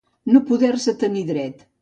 No poder-se tenir dret.